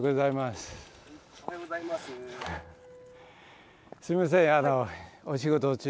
すいませんお仕事中。